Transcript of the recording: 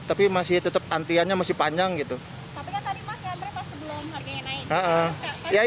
tapi kan tadi mas antriannya pas sebelum harganya naik